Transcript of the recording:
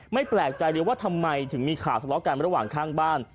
แปลกใจเลยว่าทำไมถึงมีข่าวทะเลาะกันระหว่างข้างบ้าน